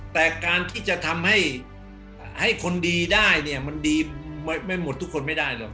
แต่การที่จะทำให้คนดีได้เนี่ยมันดีไม่หมดทุกคนไม่ได้หรอก